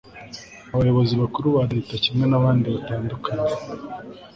abayobozi bakuru ba leta kimwe n abandi batandukanye